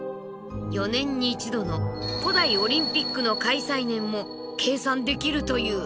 ４年に一度の古代オリンピックの開催年も計算できるという。